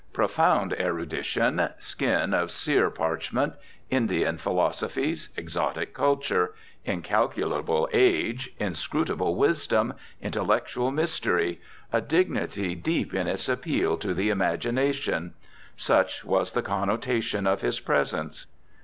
Profound erudition, skin of sear parchment, Indian philosophies, exotic culture, incalculable age, inscrutable wisdom, intellectual mystery, a dignity deep in its appeal to the imagination such was the connotation of this presence.